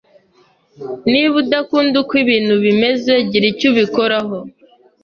Niba udakunda uko ibintu bimeze, gira icyo ubikoraho.